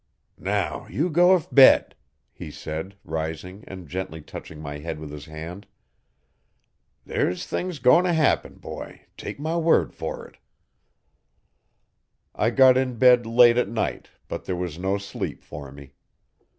'Now you go to bed,' he said, rising and gently touching my head with his hand. 'There's things goin' t'happen, boy take my word fer it. I got in bed late at night but there was no sleep for me.